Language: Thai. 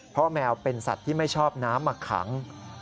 เพราะแมวเป็นสัตว์ที่ไม่ชอบน้ำมาขัง